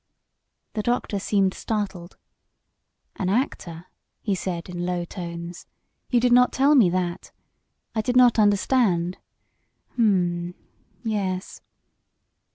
The doctor seemed startled. "An actor," he said in low tones. "You did not tell me that. I did not understand ... Hm! Yes!"